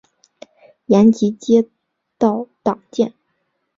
延吉街道党建